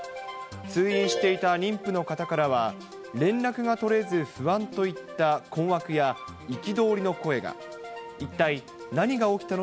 通院していた妊婦の方からは、連絡が取れず不安といった困惑や、憤りの声が。